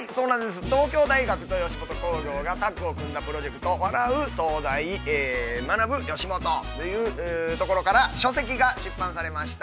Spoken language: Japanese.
◆東京大学と吉本興業がタッグを組んだプロジェクト「笑う東大、学ぶ吉本」から書籍が誕生しました。